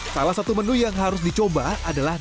salah satu menu yang harus dicoba adalah